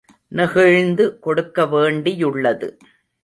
நெகிழ்ந்து கொடுக்க வேண்டியுள்ளது.